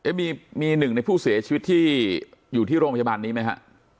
มีหนึ่งในผู้เสียชีวิตที่อยู่ที่โรงพยาบาลนี้ไหมฮะ